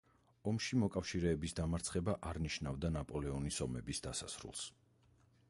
ომში მოკავშირეების დამარცხება არ ნიშნავდა ნაპოლეონის ომების დასასრულს.